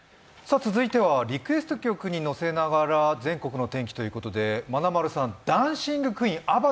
続いてはリクエスト曲にのせながら全国の天気ということでまなまるさん「ＤａｎｃｉｎｇＱｕｅｅｎ」